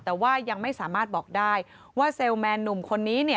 แต่ว่ายังไม่สามารถบอกได้ว่าเซลล์แมนหนุ่มคนนี้